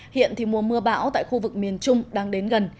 hiện thì mùa mưa bão tại khu vực miền trung đang đến gần